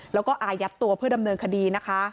แล้วก็อายัดตัวเพื่อดำเนินคดีนะคะ